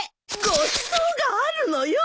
ごちそうがあるのよ。